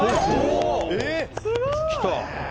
「すごーい！」